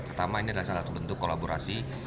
pertama ini adalah salah satu bentuk kolaborasi